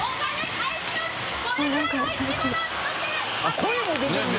声も出てるんだ。